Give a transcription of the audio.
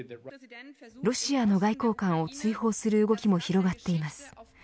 ロシアの外交官を追放する動きも広がっています。